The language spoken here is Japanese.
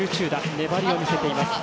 粘りを見せています。